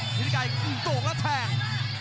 ฤทธิไกรโตกแล้วแทง